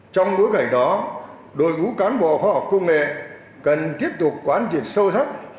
trong bước hành đó đội ngũ cán bộ khoa học công nghệ cần tiếp tục quan trị sâu sắc